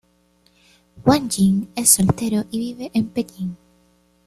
Wang Jing es soltero y vive en Pekín.